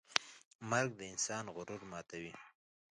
مرګ د انسان غرور ماتوي.